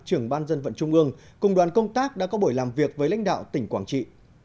trưởng ban dân vận trung ương cùng đoàn công tác đã có buổi làm việc với lãnh đạo tỉnh quảng trị